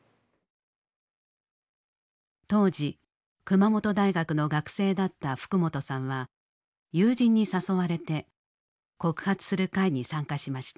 当時熊本大学の学生だった福元さんは友人に誘われて「告発する会」に参加しました。